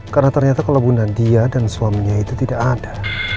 karena ternyata kalau bu nadia dan suaminya itu tidak ada